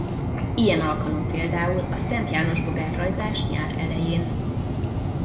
Ilyen alkalom például a szentjánosbogár-rajzás nyár elején.